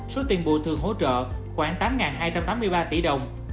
suất tiền bùa thường hỗ trợ khoảng tám hai trăm tám mươi ba tỷ đồng